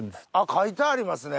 書いてありますね